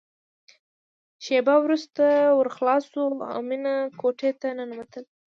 شېبه وروسته ور خلاص شو او مينه کوټې ته ننوتله